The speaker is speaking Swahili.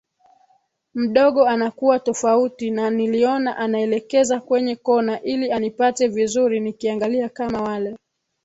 mdogo Anakuwa tofauti na niliona anaelekeza kwenye kona ili anipate vizuri Nikiangalia kama wale